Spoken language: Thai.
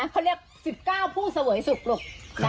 เขาเรียก๑๙ผู้เสวยสุขลูก